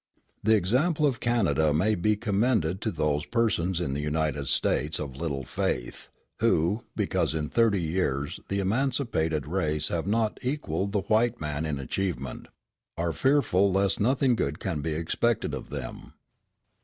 The example of Canada may be commended to those persons in the United States, of little faith, who, because in thirty years the emancipated race have not equalled the white man in achievement, are fearful lest nothing good can be expected of them.